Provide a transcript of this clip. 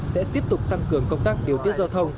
sẽ tiếp tục tăng cường công tác điều tiết giao thông